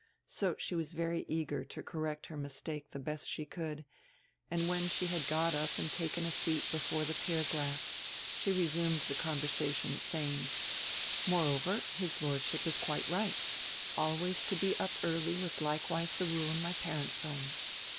So she was very eager to correct her mistake die best she could, and when she had got up and taken a seat before die pier glass she resumed die conversation, saying: "Moreover, his Lord ship is quite right. Always to be up early was likewise die rule in my parents' home.